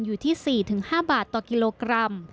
อยู่ที่๔๕บาทต่อกิโลกรัม